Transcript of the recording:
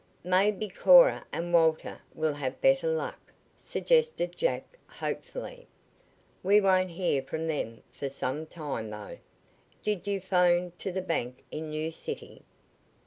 "Maybe Cora and Walter will have better luck," suggested Jack hopefully. "We won't hear from them for some time, though. Did you 'phone to the bank in New City?"